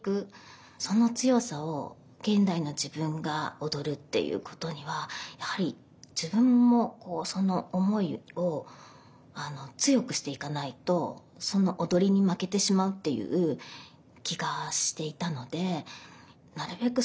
その強さを現代の自分が踊るっていうことにはやはり自分もその思いを強くしていかないとその踊りに負けてしまうっていう気がしていたのでなるべく